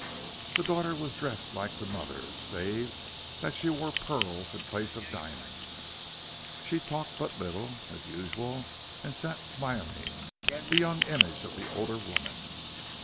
The daughter was dressed like the mother, save that she wore pearls in place of diamonds. She talked but little, as usual, and sat smiling, the young image of the older woman.